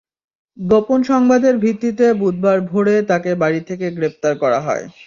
গোপন সংবাদের ভিত্তিতে বুধবার ভোরে তাঁকে বাড়ি থেকে গ্রেপ্তার করা হয়।